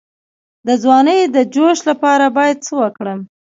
د ځوانۍ د جوش لپاره باید څه وکړم؟